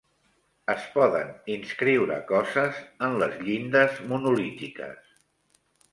Es poden inscriure coses en les llindes monolítiques.